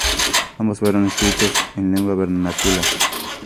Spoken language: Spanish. Ambos fueron escritos en lengua vernácula.